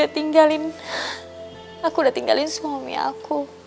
tante aku udah tinggalin semua mi aku